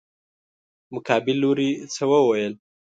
مقابل لوري څه وويل.